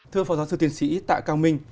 thưa phó giáo sư tiến sĩ tạ cao minh